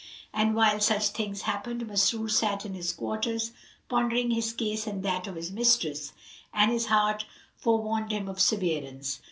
And while such things happened Masrur sat in his quarters, pondering his case and that of his mistress, and his heart forewarned him of severance.